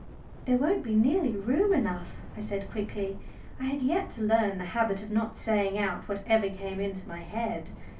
"There won't be nearly room enough," I said quickly. I had yet to learn the habit of not saying out whatever came into my head.